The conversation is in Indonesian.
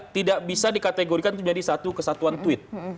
tidak bisa dikategorikan menjadi satu kesatuan tweet